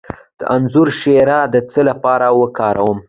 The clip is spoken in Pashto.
د انځر شیره د څه لپاره وکاروم؟